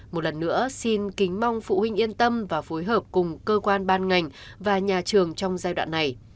giữa xin kính mong phụ huynh yên tâm và phối hợp cùng cơ quan ban ngành và nhà trường trong giai đoạn này